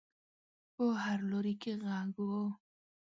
په هر لوري کې غږ و.